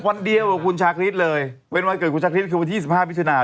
วันเดียวกับคุณชาคริสเลยเป็นวันเกิดคุณชาคริสคือวันที่สิบห้ามิถุนา